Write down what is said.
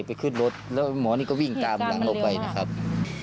ไปขึ้นรถแล้วหมอนี่ก็วิ่งกามหลังออกไป